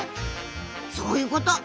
そういうこと！